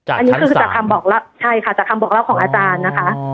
อันนี้คือจากคำบอกเล่าใช่ค่ะจากคำบอกเล่าของอาจารย์นะคะ